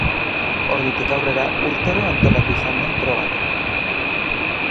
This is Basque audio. Ordutik aurrera urtero antolatu izan den proba da.